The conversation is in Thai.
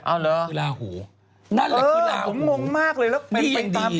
เอาหรือว่าคือลาหูนั่นแหละคือลาหูที่ดี